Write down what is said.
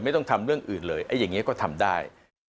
ทำเรื่องอื่นเลยอย่างนี้ก็ทำได้